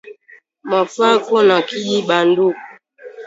Mwafako na kiji ba nduku